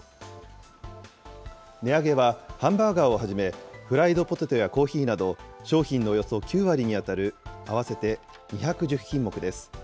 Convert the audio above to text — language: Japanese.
値上げはハンバーガーをはじめ、フライドポテトやコーヒーなど、商品のおよそ９割に当たる合わせて２１０品目です。